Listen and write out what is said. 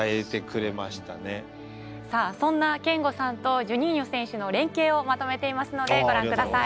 さあそんな憲剛さんとジュニーニョ選手の連係をまとめていますのでご覧ください。